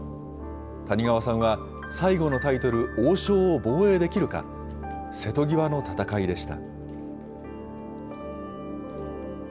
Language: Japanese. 谷川さんは、最後のタイトル、王将を防衛できるか、瀬戸際の戦いでした。